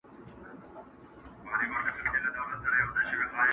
په سره سالو کي ګرځېدې مین دي کړمه٫